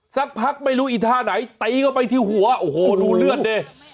สักพักไม่รู้อีท่าไหนตีเข้าไปที่หัวโอ้โหดูเลือดดิ